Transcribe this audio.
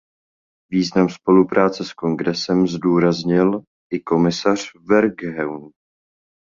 Význam spolupráce s Kongresem zdůraznil i komisař Verheugen.